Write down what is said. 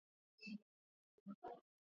Apzinos, ka neredzu vairs tālumā. Mazliet.